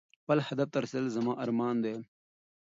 خپل هدف ته رسېدل زما ارمان دی.